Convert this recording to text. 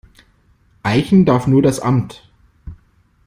Eichen darf nur das Amt.